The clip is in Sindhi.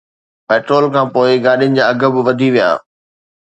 پيٽرول کانپوءِ گاڏين جا اگهه به وڌي ويا